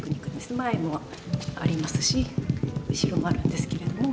前もありますし後ろもあるんですけれども。